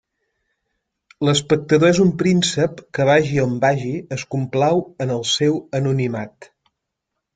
L'espectador és un príncep que vagi on vagi es complau en el seu anonimat.